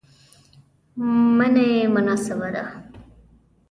منی مناسبه ده